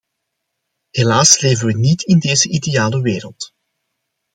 Helaas leven we niet in deze ideale wereld.